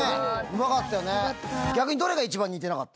うまかったよね。